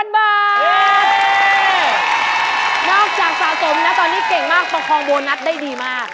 นอกจากสะสมนะตอนนี้เก่งมากประคองโบนัสได้ดีมาก